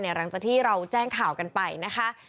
หลังจากที่เราแจ้งข่าวกันไปนะคะ